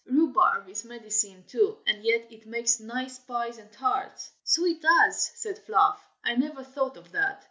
Rhubarb is medicine, too, and yet it makes nice pies and tarts." "So it does!" said Fluff; "I never thought of that.